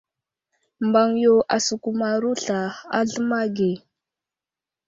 Mbaŋ yo asəkumaro sla a zləma ge.